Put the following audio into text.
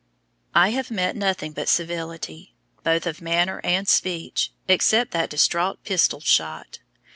I have met nothing but civility, both of manner and speech, except that distraught pistol shot.